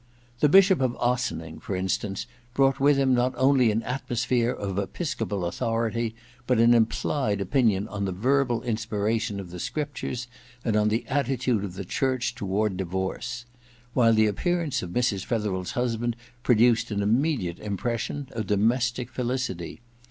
The Bishop of Ossining, for instance, brought with him not only an atmosphere of episcopal authority, but an implied opinion on the verbal inspiration of the Scriptures and on the attitude of the Church toward divorce ; while the appear ance of Mrs. Fetherel's husband produced an immediate impression of domestic felicity.